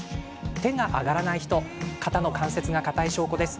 手が上がらない人肩の関節が硬い証拠です。